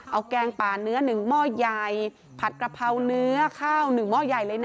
เอาแกงป่าเนื้อ๑หม้อใหญ่ผัดกระเพราเนื้อข้าว๑หม้อใหญ่เลยนะ